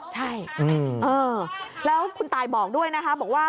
ใช่แล้วคุณตายบอกด้วยนะคะบอกว่า